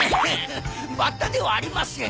バッタではありません。